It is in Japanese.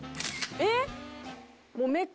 えっ？